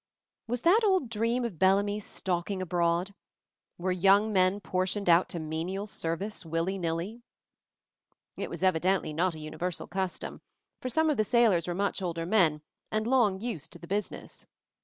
Was that old dream of Bellamy's stalk ing abroad? Were young men portioned out to menial service, willy nilly? 32 MOVING THE MOUNTAIN It was evidently not a universal custom, for some of the sailors were much older men, and long used to the business.